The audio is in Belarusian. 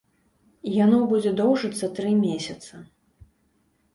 Яно будзе доўжыцца тры месяцы.